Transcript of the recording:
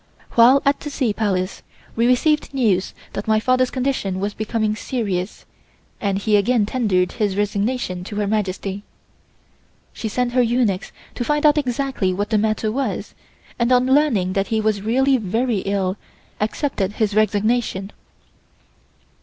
While at the Sea Palace we received news that my father's condition was becoming serious, and he again tendered his resignation to Her Majesty. She sent her eunuchs to find out exactly what the matter was, and on learning that he was really very ill, accepted his resignation.